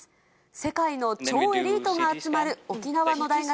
世界の超エリートが集まる沖縄の大学。